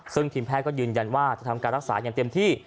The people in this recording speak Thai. ซึ่งทีมแพทย์ก็ยืนยันว่าจะทำการรักษาอย่างเต็มที่